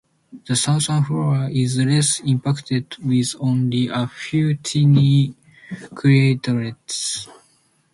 The southern floor is less impacted, with only a few tiny craterlets.